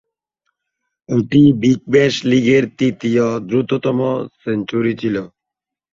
এটি Big Bash লিগের তৃতীয় দ্রুততম সেঞ্চুরি ছিল।